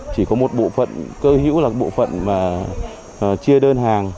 chỉ có một bộ phận cơ hữu là bộ phận mà chia đơn hàng